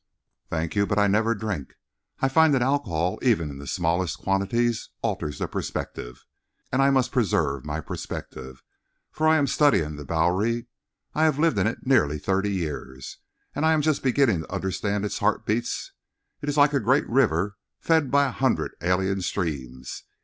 "Thank you, but I never drink. I find that alcohol, even in the smallest quantities, alters the perspective. And I must preserve my perspective, for I am studying the Bowery. I have lived in it nearly thirty years, and I am just beginning to understand its heartbeats. It is like a great river fed by a hundred alien streams.